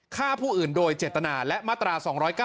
ฆ่าผู้อื่นโดยเจตนาและมาตรา๒๙